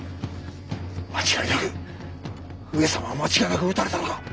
間違いなく上様は間違いなく討たれたのか！？